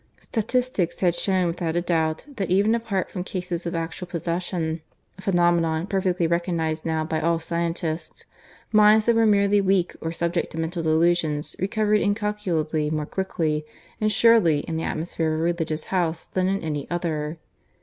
Statistics had shown without a doubt that, even apart from cases of actual possession (a phenomenon perfectly recognized now by all scientists), minds that were merely weak or subject to mental delusions recovered incalculably more quickly and surely in the atmosphere of a Religious House than in any other.